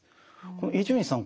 伊集院さん